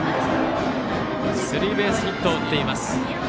スリーベースヒットを打っています。